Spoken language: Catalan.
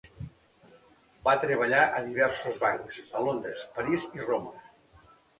Va treballar a diversos bancs a Londres, París i Roma.